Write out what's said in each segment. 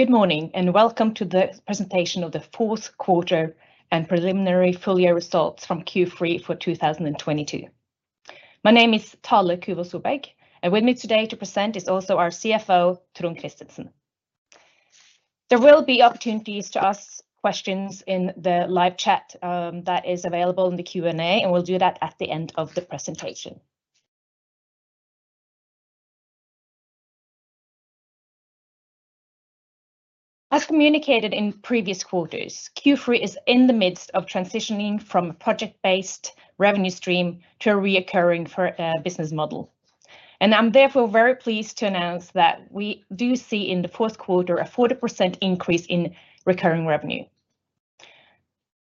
Good morning, and welcome to the presentation of the fourth quarter and preliminary full year results from Q-Free for 2022. My name is Thale Kuvås Solberg, with me today to present is also our CFO, Trond Christensen. There will be opportunities to ask questions in the live chat that is available in the Q&A, and we'll do that at the end of the presentation. As communicated in previous quarters, Q-Free is in the midst of transitioning from a project-based revenue stream to a reoccurring for business model. I'm therefore very pleased to announce that we do see in the fourth quarter a 40% increase in recurring revenue.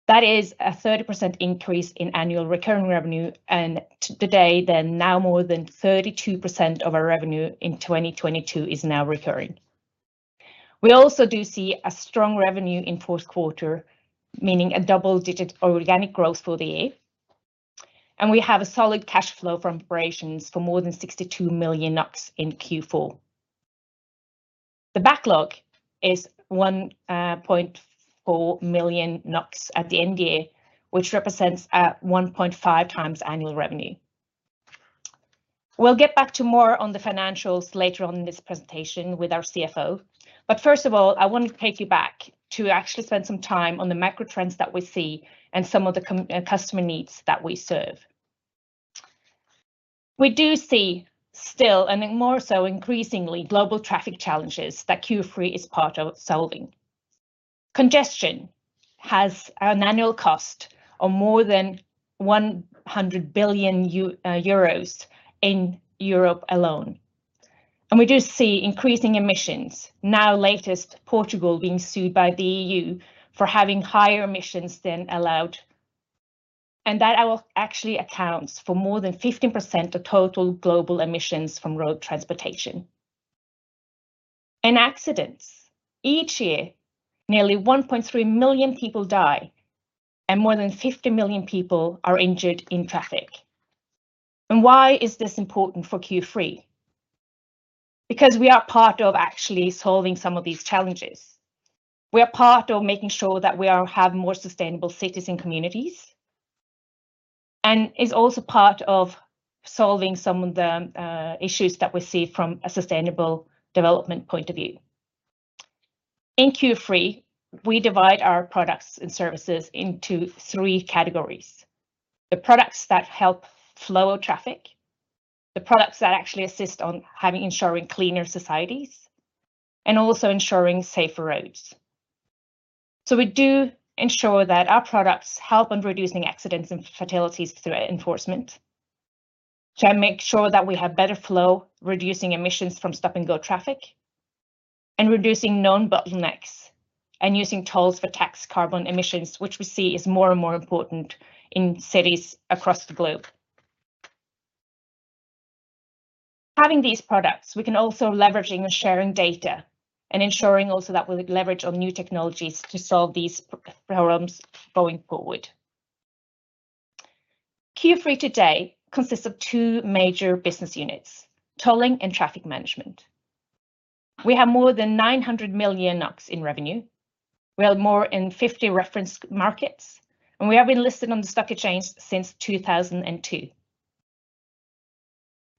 That is a 30% increase in annual recurring revenue, and today they're now more than 32% of our revenue in 2022 is now recurring. We also do see a strong revenue in fourth quarter, meaning a double-digit organic growth for the year, and we have a solid cash flow from operations for more than 62 million NOK in Q4. The backlog is 1.4 million NOK at the end year, which represents 1.5x annual revenue. We'll get back to more on the financials later on in this presentation with our CFO, but first of all, I want to take you back to actually spend some time on the macro trends that we see and some of the customer needs that we serve. We do see still, and more so increasingly, global traffic challenges that Q-Free is part of solving. Congestion has an annual cost of more than 100 billion euros in Europe alone, and we do see increasing emissions. Latest, Portugal being sued by the EU for having higher emissions than allowed, and that actually accounts for more than 15% of total global emissions from road transportation. In accidents each year, nearly 1.3 million people die and more than 50 million people are injured in traffic. Why is this important for Q-Free? Because we are part of actually solving some of these challenges. We are part of making sure that we are have more sustainable cities and communities, and is also part of solving some of the issues that we see from a sustainable development point of view. In Q-Free, we divide our products and services into three categories. The products that help flow traffic, the products that actually assist on having ensuring cleaner societies, and also ensuring safer roads. We do ensure that our products help on reducing accidents and fatalities through enforcement, to make sure that we have better flow, reducing emissions from stop-and-go traffic, and reducing known bottlenecks and using tolls for tax carbon emissions, which we see is more and more important in cities across the globe. Having these products, we can also leveraging and sharing data and ensuring also that we leverage on new technologies to solve these problems going forward. Q3 today consists of two major business units, tolling and traffic management. We have more than 900 million NOK in revenue. We have more than 50 reference markets, and we have been listed on the stock exchange since 2002.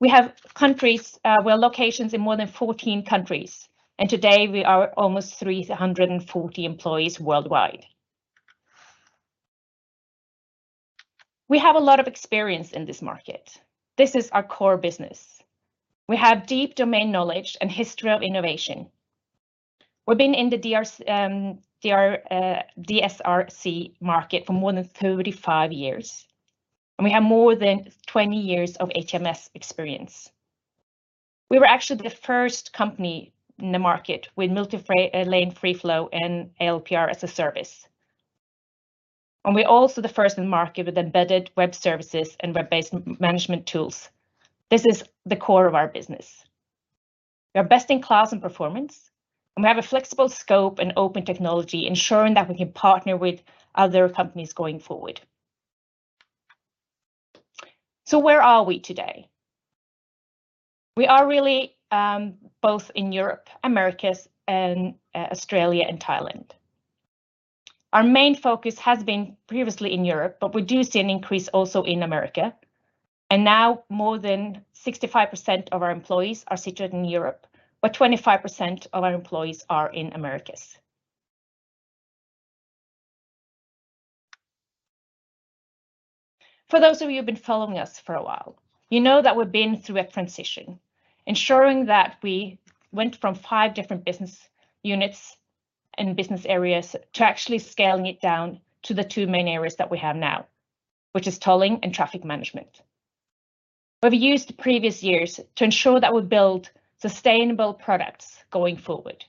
We have countries, well, locations in more than 14 countries, and today we are almost 340 employees worldwide. We have a lot of experience in this market. This is our core business. We have deep domain knowledge and history of innovation. We've been in the DSRC market for more than 35 years, and we have more than 20 years of HMS experience. We were actually the first company in the market with multi lane free flow and ALPR as a service, and we're also the first in the market with embedded web services and web-based management tools. This is the core of our business. We are best in class and performance. We have a flexible scope and open technology, ensuring that we can partner with other companies going forward. Where are we today? We are really both in Europe, Americas and Australia and Thailand. Our main focus has been previously in Europe. We do see an increase also in America. Now more than 65% of our employees are situated in Europe. 25% of our employees are in Americas. For those of you who've been following us for a while, you know that we've been through a transition, ensuring that we went from 5 different business units and business areas to actually scaling it down to the 2 main areas that we have now, which is tolling and traffic management. We've used previous years to ensure that we build sustainable products going forward.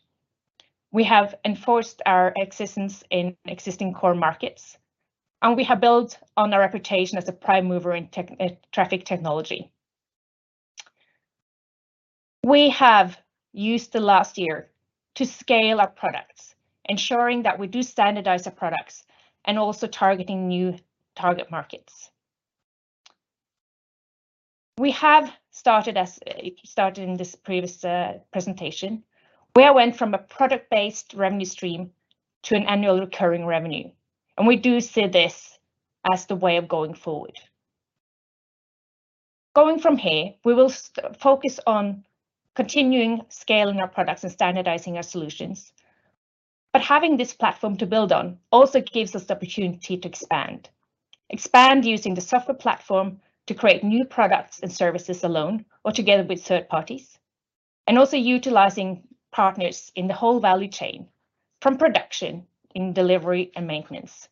We have enforced our existence in existing core markets. We have built on our reputation as a prime mover in traffic technology. We have used the last year to scale our products, ensuring that we do standardize our products and also targeting new target markets. We have started as it started in this previous presentation, we went from a product-based revenue stream to an annual recurring revenue, and we do see this as the way of going forward. Going from here, we will focus on continuing scaling our products and standardizing our solutions. Having this platform to build on also gives us the opportunity to expand. Expand using the software platform to create new products and services alone or together with third parties, and also utilizing partners in the whole value chain, from production in delivery and maintenance.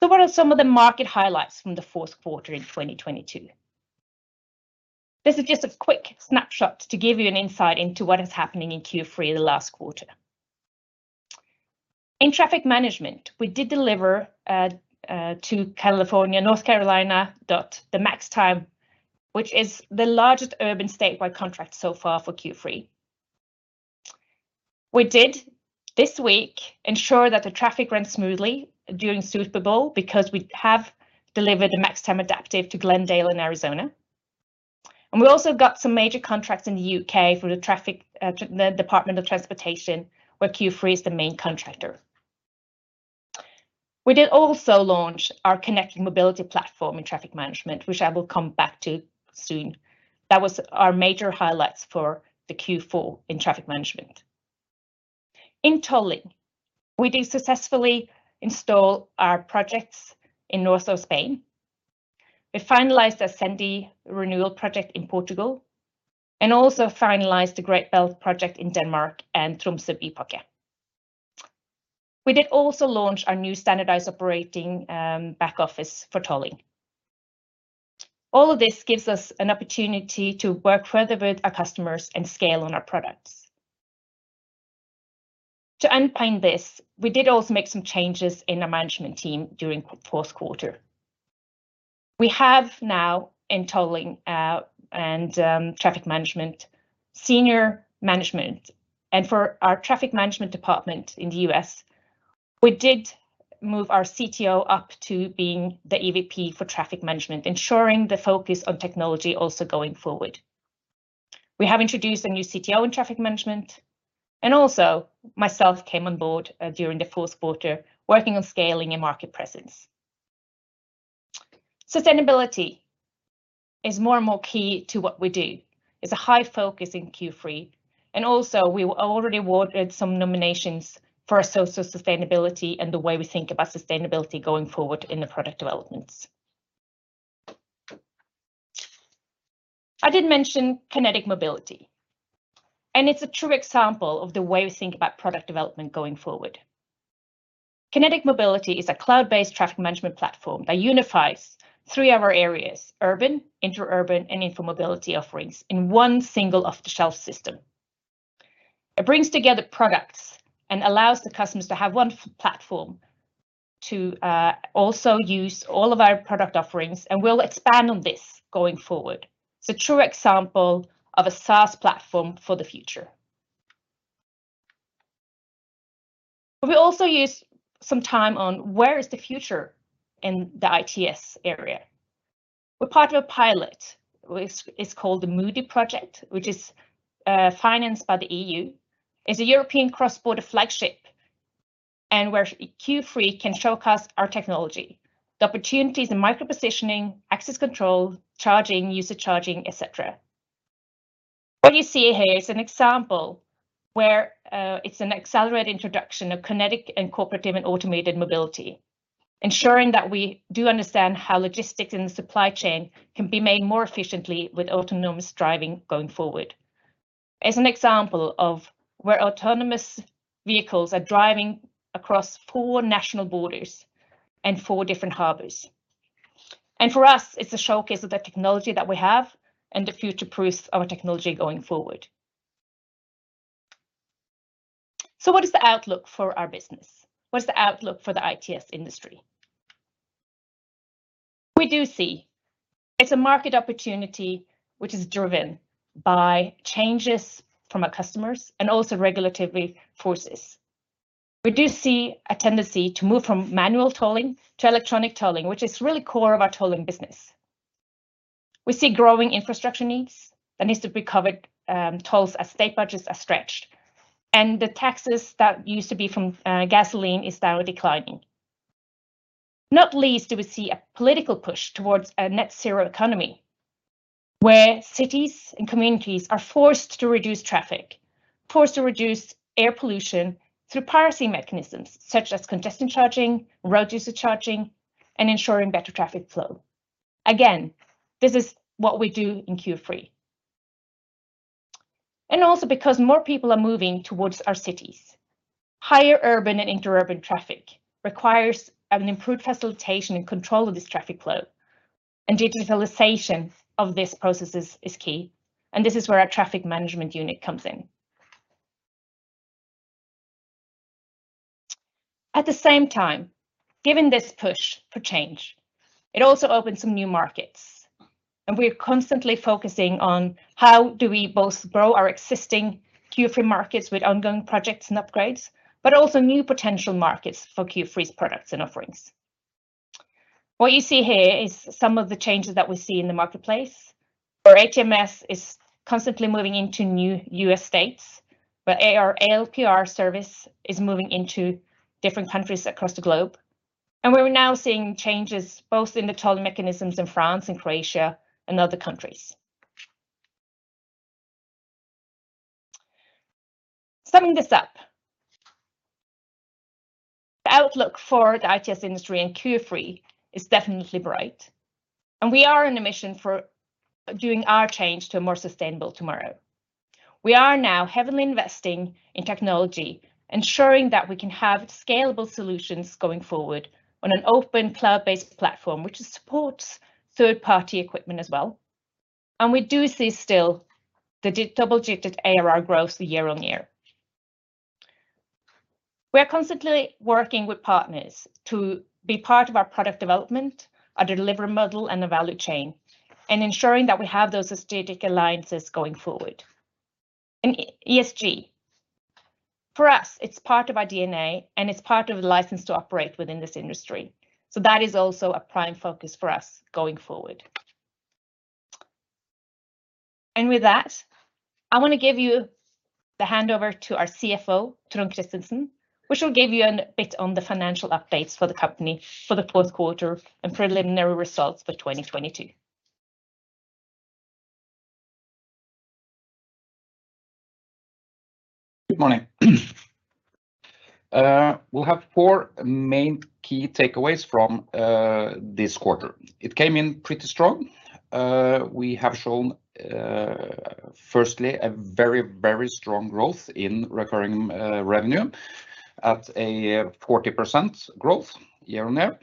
What are some of the market highlights from the fourth quarter in 2022? This is just a quick snapshot to give you an insight into what is happening in Q3, the last quarter. In traffic management, we did deliver to California, North Carolina DOT the MAXTIME, which is the largest urban statewide contract so far for Q3. We did this week ensure that the traffic ran smoothly during Super Bowl because we have delivered a MAXTIME adaptive to Glendale in Arizona, and we also got some major contracts in the U.K. for the Department for Transport, where Q-Free is the main contractor. We did also launch our Kinetic Mobility platform in traffic management, which I will come back to soon. That was our major highlights for the Q4 in traffic management. In tolling, we did successfully install our projects in north of Spain. We finalized Ascendi renewal project in Portugal and also finalized the Great Belt project in Denmark and Tromsø Bypakke. We did also launch our new standardized operating back office for tolling. All of this gives us an opportunity to work further with our customers and scale on our products. To underpin this, we did also make some changes in our management team during Q4. We have now in tolling and traffic management, senior management. For our traffic management department in the U.S., we did move our CTO up to being the EVP for traffic management, ensuring the focus on technology also going forward. We have introduced a new CTO in traffic management, and also myself came on board during the fourth quarter working on scaling and market presence. Sustainability is more and more key to what we do. It's a high focus in Q3. Also, we were already awarded some nominations for our social sustainability and the way we think about sustainability going forward in the product developments. I did mention Kinetic Mobility. It's a true example of the way we think about product development going forward. Kinetic Mobility is a cloud-based traffic management platform that unifies three of our areas: urban, interurban, and info mobility offerings in one single off-the-shelf system. It brings together products and allows the customers to have one platform to also use all of our product offerings. We'll expand on this going forward. It's a true example of a SaaS platform for the future. We also use some time on where is the future in the ITS area. We're part of a pilot, which is called the MODI Project, which is financed by the EU, is a European cross-border flagship, and where Q-Free can showcase our technology, the opportunities in micro positioning, access control, charging, user charging, et cetera. What you see here is an example where it's an accelerated introduction of kinetic and cooperative and automated mobility, ensuring that we do understand how logistics in the supply chain can be made more efficiently with autonomous driving going forward. As an example of where autonomous vehicles are driving across four national borders and for different harbors. For us, it's a showcase of the technology that we have and the future-proof our technology going forward. What is the outlook for our business? What is the outlook for the ITS industry? We do see it's a market opportunity which is driven by changes from our customers and also regulatively forces. We do see a tendency to move from manual tolling to electronic tolling, which is really core of our tolling business. We see growing infrastructure needs that needs to be covered, tolls as state budgets are stretched, and the taxes that used to be from gasoline is now declining. Not least do we see a political push towards a net zero economy where cities and communities are forced to reduce traffic, forced to reduce air pollution through pricing mechanisms such as congestion charging, road user charging, and ensuring better traffic flow. Again, this is what we do in Q-Free. Also because more people are moving towards our cities. Higher urban and interurban traffic requires an improved facilitation and control of this traffic flow, and digitalization of this processes is key. This is where our traffic management unit comes in. At the same time, given this push for change, it also opens some new markets. We're constantly focusing on how do we both grow our existing Q-Free markets with ongoing projects and upgrades, but also new potential markets for Q-Free's products and offerings. What you see here is some of the changes that we see in the marketplace, where HMS is constantly moving into new U.S. states, but LPR service is moving into different countries across the globe. We're now seeing changes both in the tolling mechanisms in France and Croatia and other countries. Summing this up, the outlook for the ITS industry and Q-Free is definitely bright. We are on a mission for doing our change to a more sustainable tomorrow. We are now heavily investing in technology, ensuring that we can have scalable solutions going forward on an open cloud-based platform, which supports third-party equipment as well. We do see still the double-digit ARR growth year-over-year. We are constantly working with partners to be part of our product development, our delivery model, and the value chain, and ensuring that we have those strategic alliances going forward. ESG, for us, it's part of our DNA, and it's part of the license to operate within this industry. That is also a prime focus for us going forward. With that, I want to give you the handover to our CFO, Trond Christensen, which will give you an bit on the financial updates for the company for the fourth quarter and preliminary results for 2022. Good morning. We'll have four main key takeaways from this quarter. It came in pretty strong. We have shown, firstly a very strong growth in recurring revenue at a 40% growth year-on-year.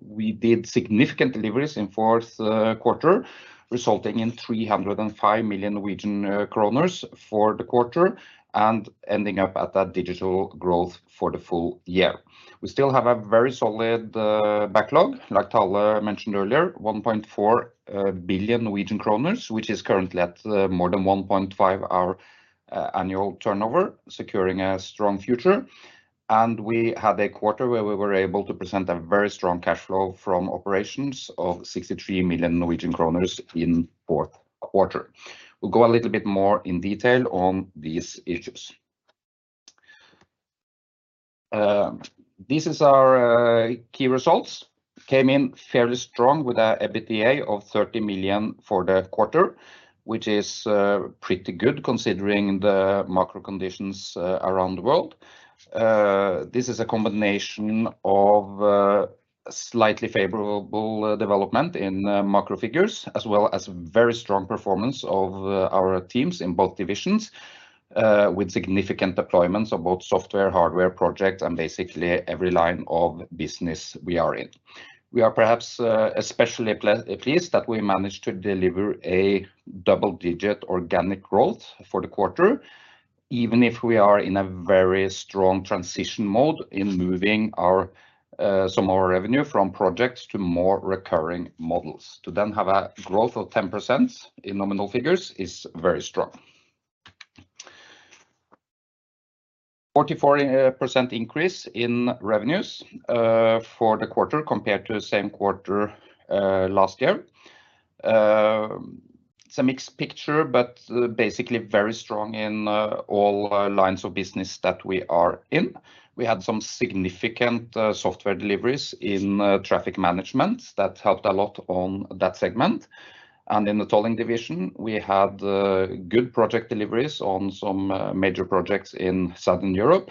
We did significant deliveries in fourth quarter, resulting in 305 million Norwegian kroner for the quarter and ending up at that digital growth for the full year. We still have a very solid backlog, like Thale mentioned earlier, 1.4 billion Norwegian kroner, which is currently at more than 1.5 our annual turnover, securing a strong future. We had a quarter where we were able to present a very strong cash flow from operations of 63 million Norwegian kroner in fourth quarter. We'll go a little bit more in detail on these issues. This is our key results. Came in fairly strong with a EBITDA of 30 million for the quarter, which is pretty good considering the macro conditions around the world. This is a combination of slightly favorable development in macro figures, as well as very strong performance of our teams in both divisions, with significant deployments of both software, hardware projects and basically every line of business we are in. We are perhaps especially pleased that we managed to deliver a double-digit organic growth for the quarter, even if we are in a very strong transition mode in moving our some of our revenue from projects to more recurring models. To then have a growth of 10% in nominal figures is very strong. 44% increase in revenues for the quarter compared to the same quarter last year. It's a mixed picture, but basically very strong in all lines of business that we are in. We had some significant software deliveries in traffic management that helped a lot on that segment. And in the tolling division, we had good project deliveries on some major projects in Southern Europe,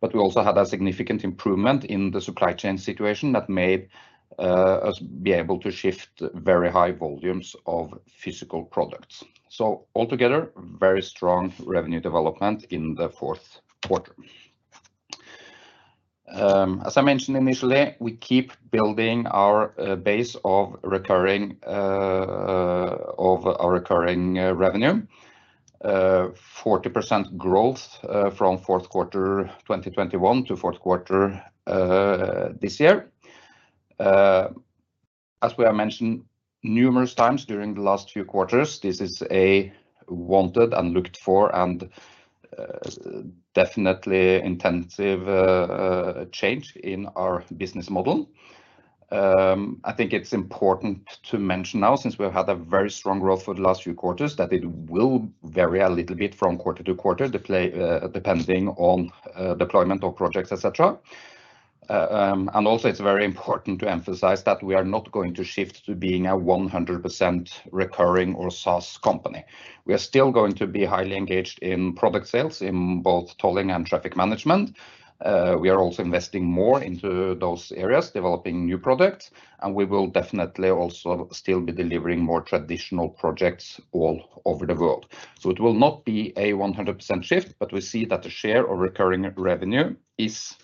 but we also had a significant improvement in the supply chain situation that made us be able to shift very high volumes of physical products. Altogether, very strong revenue development in the fourth quarter. As I mentioned initially, we keep building our base of recurring of our recurring revenue. 40% growth from fourth quarter 2021 to fourth quarter this year. As we have mentioned numerous times during the last few quarters, this is a wanted and looked for and, definitely intensive, change in our business model. I think it's important to mention now, since we've had a very strong growth for the last few quarters, that it will vary a little bit from quarter to quarter, depending on deployment of projects, et cetera. Also it's very important to emphasize that we are not going to shift to being a 100% recurring or SaaS company. We are still going to be highly engaged in product sales in both tolling and traffic management. We are also investing more into those areas, developing new products, and we will definitely also still be delivering more traditional projects all over the world. It will not be a 100% shift, but we see that the share of recurring revenue is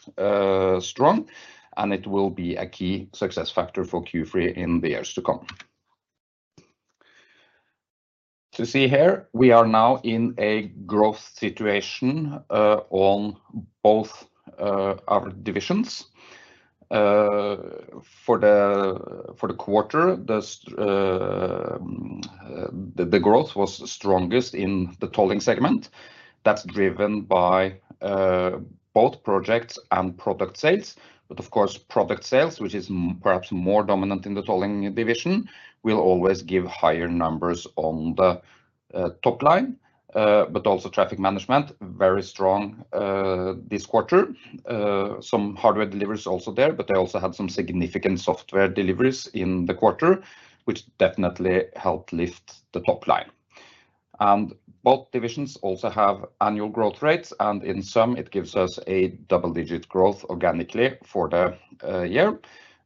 strong, and it will be a key success factor for Q-Free in the years to come. To see here, we are now in a growth situation on both our divisions. For the quarter, the growth was strongest in the tolling segment. That's driven by both projects and product sales. Of course, product sales, which is perhaps more dominant in the tolling division, will always give higher numbers on the top line. Also traffic management, very strong this quarter. Some hardware deliveries also there, but they also had some significant software deliveries in the quarter, which definitely helped lift the top line. Both divisions also have annual growth rates, and in some it gives us a double-digit growth organically for the year.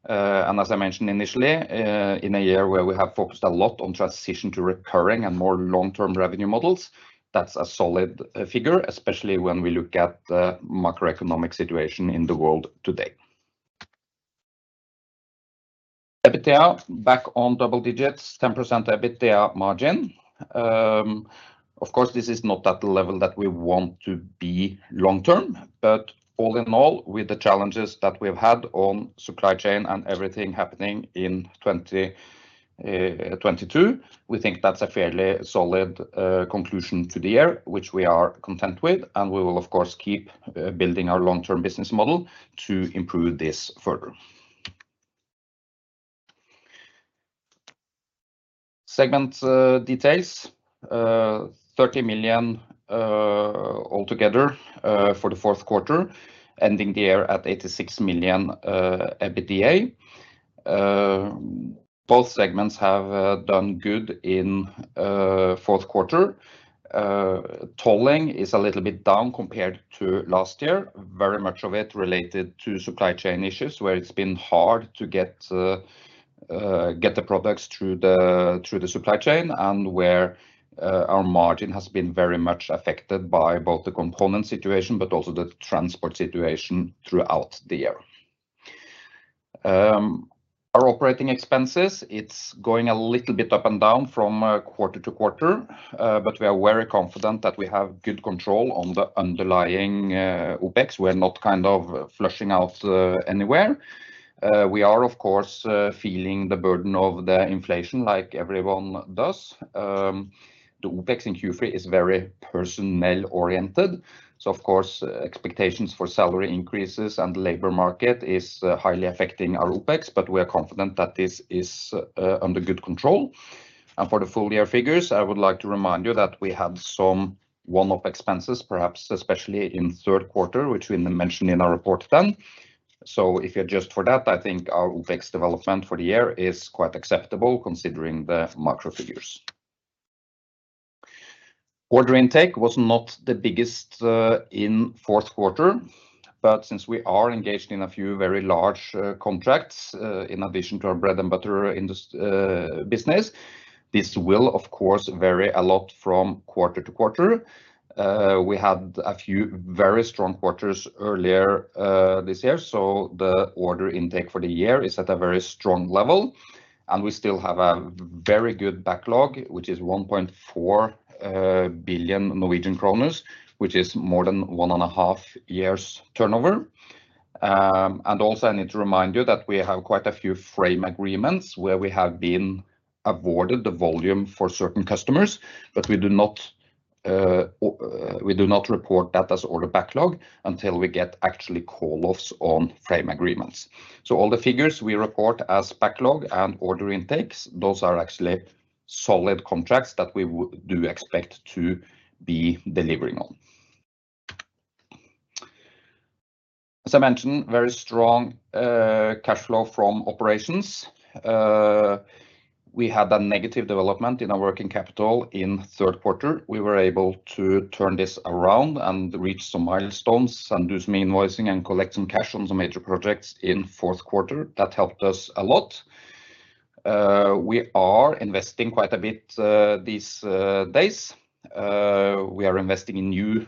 As I mentioned initially, in a year where we have focused a lot on transition to recurring and more long-term revenue models, that's a solid figure, especially when we look at the macroeconomic situation in the world today. EBITDA back on double digits, 10% EBITDA margin. Of course, this is not at the level that we want to be long-term. All in all, with the challenges that we've had on supply chain and everything happening in 2022, we think that's a fairly solid conclusion to the year, which we are content with. We will of course, keep building our long-term business model to improve this further. Segment details. 30 million altogether for the fourth quarter. Ending the year at 86 million EBITDA. Both segments have done good in fourth quarter. Tolling is a little bit down compared to last year. Very much of it related to supply chain issues, where it's been hard to get the products through the supply chain, and where our margin has been very much affected by both the component situation but also the transport situation throughout the year. Our operating expenses, it's going a little bit up and down from quarter to quarter. We are very confident that we have good control on the underlying OpEx. We're not kind of flushing out anywhere. We are of course feeling the burden of the inflation like everyone does. The OpEx in Q-Free is very personnel-oriented, so of course, expectations for salary increases and labor market is highly affecting our OpEx. We are confident that this is under good control. For the full-year figures, I would like to remind you that we had some one-off expenses, perhaps especially in third quarter, which we mentioned in our report then. If you adjust for that, I think our OpEx development for the year is quite acceptable considering the macro figures. Order intake was not the biggest in fourth quarter. Since we are engaged in a few very large contracts, in addition to our bread and butter business, this will of course vary a lot from quarter to quarter. We had a few very strong quarters earlier this year. The order intake for the year is at a very strong level, and we still have a very good backlog, which is 1.4 billion Norwegian kroner, which is more than 1.5 years turnover. Also, I need to remind you that we have quite a few frame agreements where we have been awarded the volume for certain customers, but we do not, we do not report that as order backlog until we get actually call-offs on frame agreements. All the figures we report as backlog and order intakes, those are actually solid contracts that we do expect to be delivering on. As I mentioned, very strong cash flow from operations. We had a negative development in our working capital in third quarter. We were able to turn this around and reach some milestones and do some invoicing and collect some cash on some major projects in Q4. That helped us a lot. We are investing quite a bit these days. We are investing in new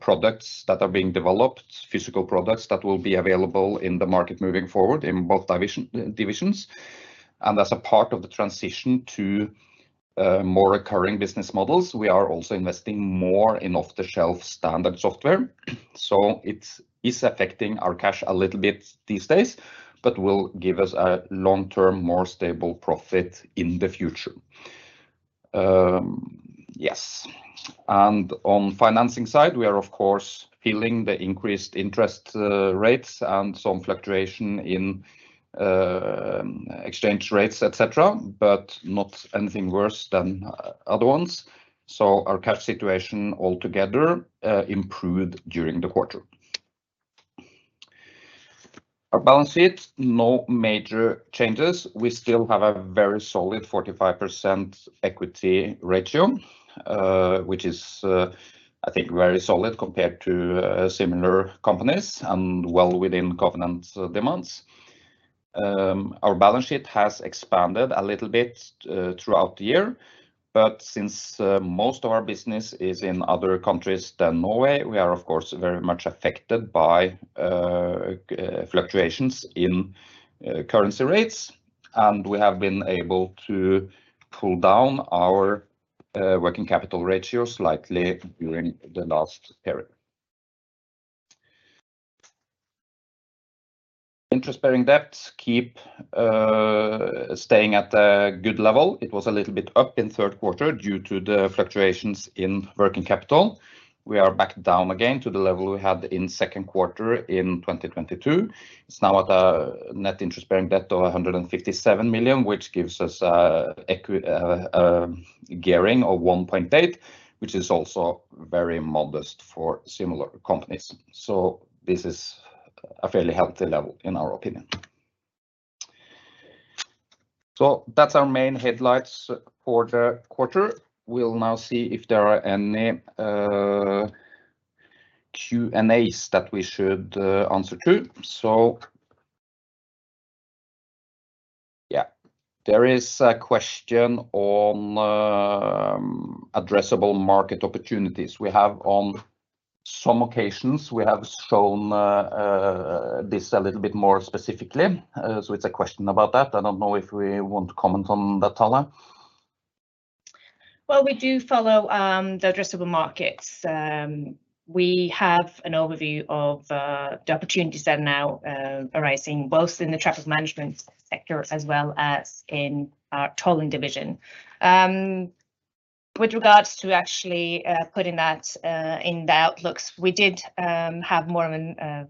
products that are being developed, physical products that will be available in the market moving forward in both divisions. As a part of the transition to more recurring business models, we are also investing more in off-the-shelf standard software, so it's affecting our cash a little bit these days but will give us a long-term, more stable profit in the future. Yes. On financing side, we are of course feeling the increased interest rates and some fluctuation in exchange rates, et cetera, but not anything worse than other ones. Our cash situation altogether improved during the quarter. Our balance sheet, no major changes. We still have a very solid 45% equity ratio, which is, I think very solid compared to similar companies and well within covenant demands. Our balance sheet has expanded a little bit throughout the year. Since most of our business is in other countries than Norway, we are of course, very much affected by fluctuations in currency rates. We have been able to pull down our working capital ratio slightly during the last period. Interest bearing debts keep staying at a good level. It was a little bit up in third quarter due to the fluctuations in working capital. We are back down again to the level we had in second quarter in 2022. It's now at a net interest bearing debt of 157 million, which gives us a gearing of 1.8, which is also very modest for similar companies. This is a fairly healthy level in our opinion. That's our main headlights for the quarter. We'll now see if there are any Q&As that we should answer to. Yeah. There is a question on addressable market opportunities. We have, on some occasions, we have shown this a little bit more specifically. It's a question about that. I don't know if we want to comment on that, Thale. We do follow the addressable markets. We have an overview of the opportunities that are now arising, both in the traffic management sector as well as in our tolling division. With regards to actually putting that in the outlooks, we did have more of an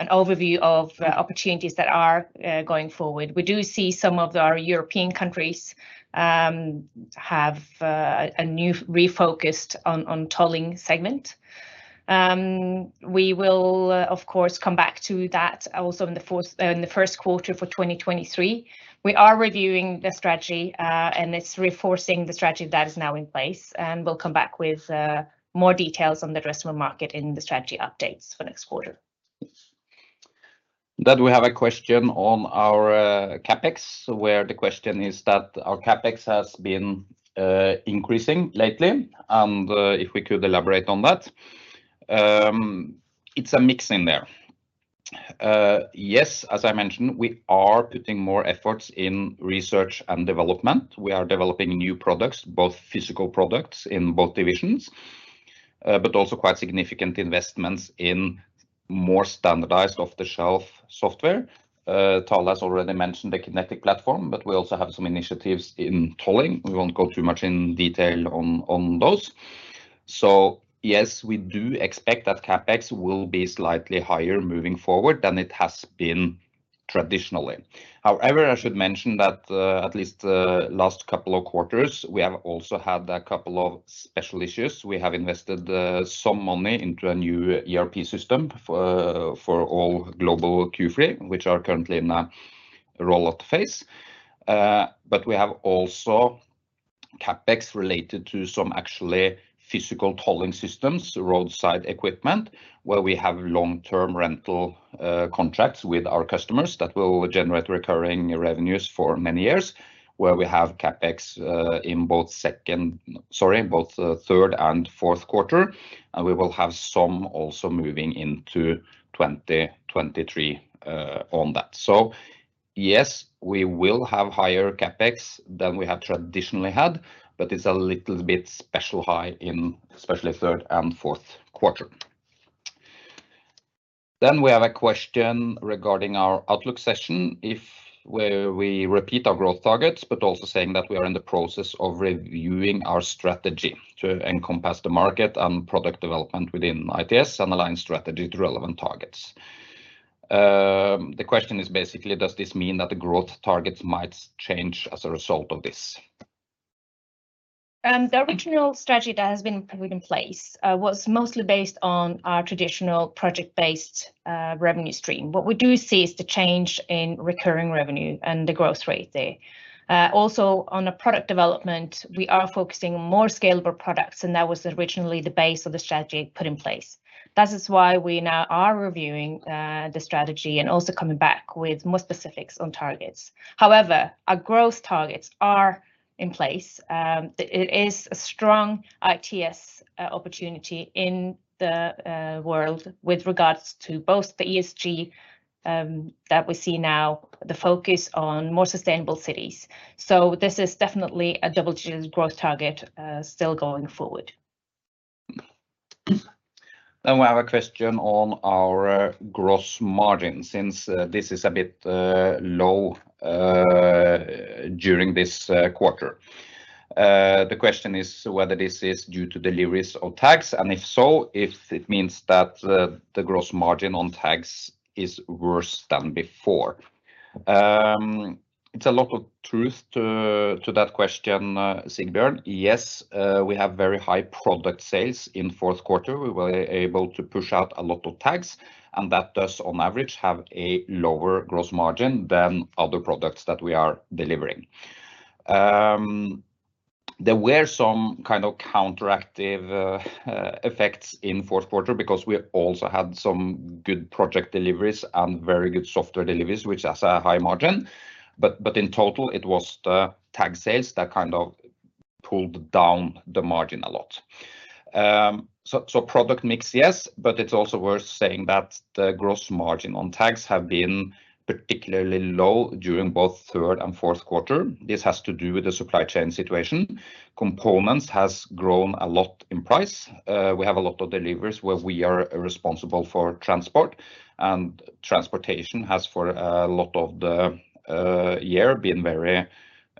overview of opportunities that are going forward. We do see some of our European countries have a new refocused on tolling segment. We will of course, come back to that also in the first quarter for 2023. We are reviewing the strategy, and it's reinforcing the strategy that is now in place, and we'll come back with more details on the addressable market in the strategy updates for next quarter. We have a question on our CapEx, where the question is that our CapEx has been increasing lately and if we could elaborate on that. It's a mix in there. Yes, as I mentioned, we are putting more efforts in research and development. We are developing new products, both physical products in both divisions, but also quite significant investments in more standardized off-the-shelf software. Thale has already mentioned the Kinetic platform, but we also have some initiatives in tolling. We won't go too much in detail on those. Yes, we do expect that CapEx will be slightly higher moving forward than it has been traditionally. However, I should mention that at least the last couple of quarters, we have also had a couple of special issues. We have invested some money into a new ERP system for for all global Q-Free, which are currently in a rollout phase. We have also CapEx related to some actually physical tolling systems, roadside equipment, where we have long-term rental contracts with our customers that will generate recurring revenues for many years, where we have CapEx in both, sorry, both third and fourth quarter. We will have some also moving into 2023 on that. Yes, we will have higher CapEx than we have traditionally had, but it's a little bit special high in especially third and fourth quarter. We have a question regarding our outlook session, if where we repeat our growth targets, but also saying that we are in the process of reviewing our strategy to encompass the market and product development within ITS and align strategy to relevant targets. The question is basically does this mean that the growth targets might change as a result of this? The original strategy that has been put in place was mostly based on our traditional project-based revenue stream. What we do see is the change in recurring revenue and the growth rate there. Also on a product development, we are focusing on more scalable products, and that was originally the base of the strategy put in place. That is why we now are reviewing the strategy and also coming back with more specifics on targets. However, our growth targets are in place. It is a strong ITS opportunity in the world with regards to both the ESG that we see now, the focus on more sustainable cities. This is definitely a double-digit growth target still going forward. We have a question on our gross margin since this is a bit low during this quarter. The question is whether this is due to deliveries or tax, and if so, if it means that the gross margin on tags is worse than before. It's a lot of truth to that question, Sigburn. Yes, we have very high product sales in fourth quarter. We were able to push out a lot of tags, and that does on average have a lower gross margin than other products that we are delivering. There were some kind of counteractive effects in fourth quarter because we also had some good project deliveries and very good software deliveries, which has a high margin. In total, it was the tag sales that kind of pulled down the margin a lot. Product mix, yes. It's also worth saying that the gross margin on tags have been particularly low during both third and fourth quarter. This has to do with the supply chain situation. Components has grown a lot in price. We have a lot of deliveries where we are responsible for transport, and transportation has for a lot of the year been very,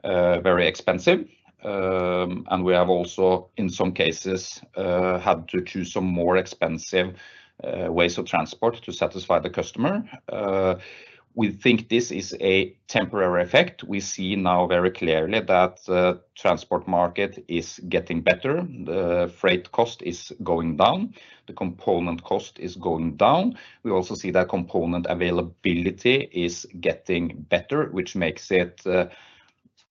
very expensive. We have also in some cases had to choose some more expensive ways of transport to satisfy the customer. We think this is a temporary effect. We see now very clearly that the transport market is getting better, the freight cost is going down, the component cost is going down. We also see that component availability is getting better, which makes it.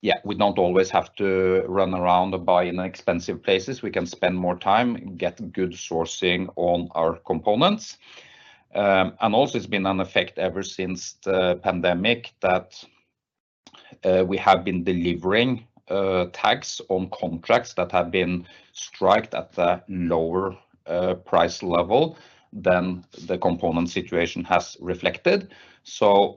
Yeah, we don't always have to run around or buy in expensive places. We can spend more time, get good sourcing on our components. Also, it's been an effect ever since the pandemic that we have been delivering tags on contracts that have been striked at a lower price level than the component situation has reflected.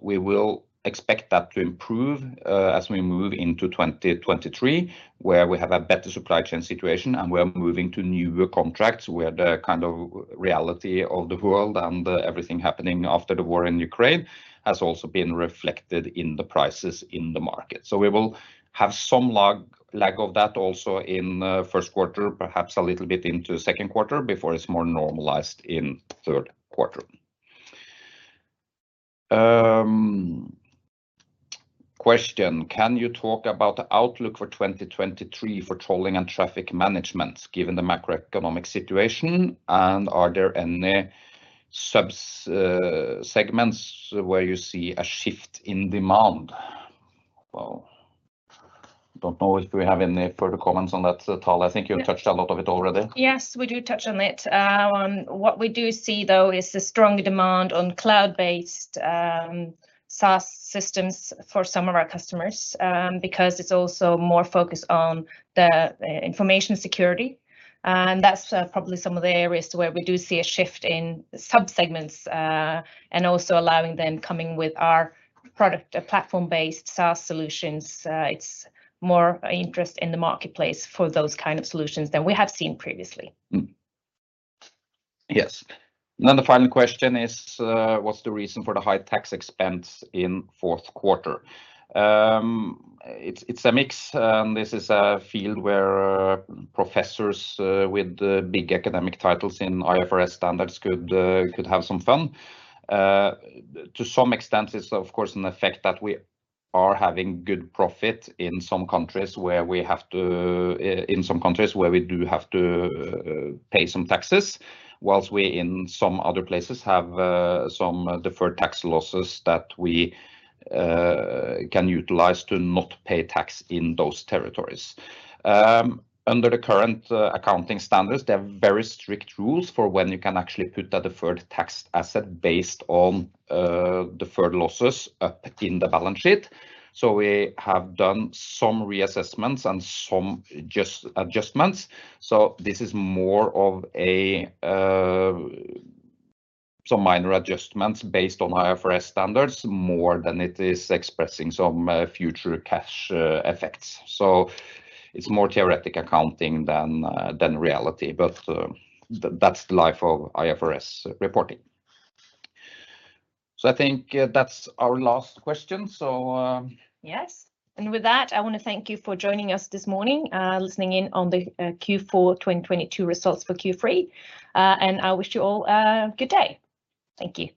We will expect that to improve as we move into 2023, where we have a better supply chain situation and we are moving to newer contracts where the kind of reality of the world and everything happening after the war in Ukraine has also been reflected in the prices in the market. We will have some lag of that also in first quarter, perhaps a little bit into second quarter before it's more normalized in third quarter. Question, can you talk about the outlook for 2023 for tolling and traffic management given the macroeconomic situation? Are there any segments where you see a shift in demand? Don't know if we have any further comments on that, Thale. Yeah. I think you touched a lot of it already. Yes, we do touch on it. What we do see though is the strong demand on cloud-based SaaS systems for some of our customers, because it's also more focused on the information security, and that's probably some of the areas where we do see a shift in sub-segments, and also allowing them coming with our product, a platform-based SaaS solutions. It's more interest in the marketplace for those kind of solutions than we have seen previously. Yes. The final question is, what's the reason for the high tax expense in fourth quarter? It's a mix. This is a field where professors with big academic titles in IFRS standards could have some fun. To some extent, it's of course an effect that we are having good profit in some countries where we do have to pay some taxes, whilst we in some other places have some deferred tax losses that we can utilize to not pay tax in those territories. Under the current accounting standards, they have very strict rules for when you can actually put a deferred tax asset based on deferred losses in the balance sheet. We have done some reassessments and some just adjustments. This is more of a, some minor adjustments based on IFRS standards more than it is expressing some, future cash, effects. It's more theoretic accounting than reality, but, that's the life of IFRS reporting. I think, that's our last question. Yes. With that, I wanna thank you for joining us this morning, listening in on the Q4 2022 results for Q-Free. I wish you all a good day. Thank you.